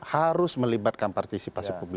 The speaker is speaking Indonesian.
harus melibatkan partisipasi publik